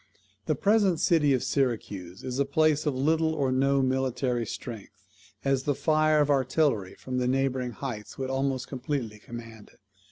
The present city of Syracuse is a place of little or no military strength, as the fire of artillery from the neighbouring heights would almost completely command it.